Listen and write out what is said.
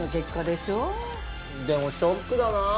でもショックだな。